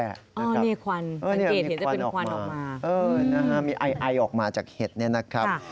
เออมีอายออกมาจากเห็ดนี่นะครับ